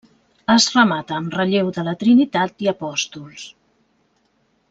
Es remata amb relleu de la Trinitat i Apòstols.